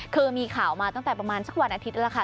คือมีข่าวมาตั้งแต่ประมาณสักวันอาทิตย์แล้วค่ะ